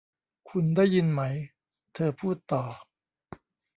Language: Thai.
'คุณได้ยินไหม' เธอพูดต่อ